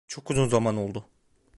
Çok uzun zaman oldu.